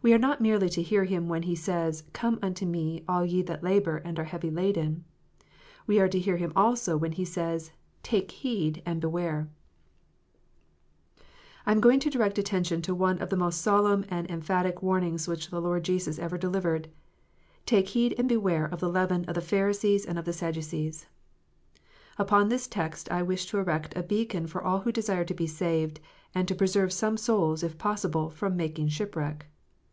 We are not merely to hear Him when He says, " Come unto Me, all ye that labour, and are heavy laden ;" we are to hear Him also when He says, " Take heed and beware," I am going to direct attention to one of the most solemn and emphatic warnings which the Lord Jesus ever delivered :" Take heed and beware of the leaven of the Pharisees and of the Sadducees." Upon this text I wish to erect a beacon for all who desire to be saved, and to preserve some souls, if possible, from making shipwreck.